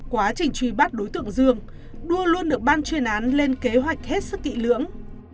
quá trình truy bắt đối tượng dương đua luôn được ban chuyên án lên kế hoạch hết sức kỹ lưỡng